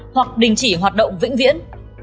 hoặc đình chỉ hoạt động vĩnh viễn